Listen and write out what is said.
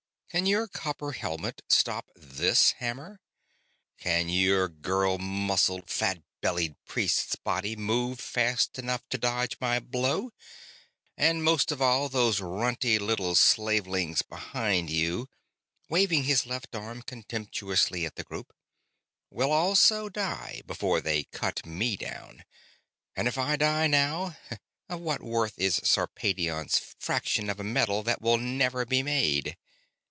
Can your copper helmet stop this hammer? Can your girl muscled, fat bellied priest's body move fast enough to dodge my blow? And most or all of those runty little slavelings behind you," waving his left arm contemptuously at the group, "will also die before they cut me down. And if I die now, of what worth is Sarpedion's fraction of a metal that will never be made?